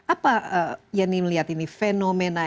apa yang melihat ini fenomena